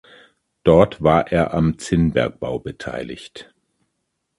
Dort war er am Zinnbergbau beteiligt.